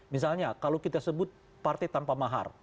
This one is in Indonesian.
misalnya kalau kita sebut partai tanpa mahar